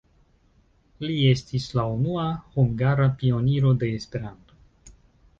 Li estis la unua hungara pioniro de Esperanto.